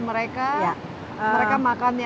mereka mereka makannya